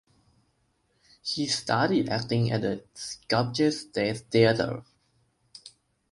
She studied acting at the Skopje State Theatre.